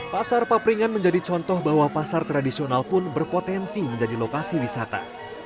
pasar papringan menjadi contoh bahwa pasar tradisional pun berpotensi menjadi lokasi wisata